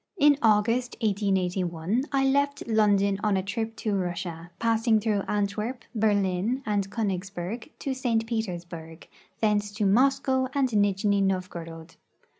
In August, 1881, I left London on a trip to Russia, passing through Antwerp, Berlin, and Konigsberg to St. Petersburg; thence to Moscow and Nijni Novgorod.